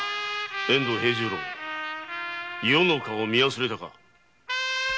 遠藤兵十郎余の顔を見忘れたか！